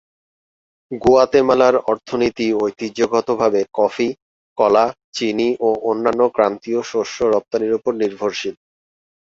গুয়াতেমালার অর্থনীতি ঐতিহ্যগতভাবে কফি, কলা, চিনি ও অন্যান্য ক্রান্তীয় শস্য রপ্তানির উপর নির্ভরশীল।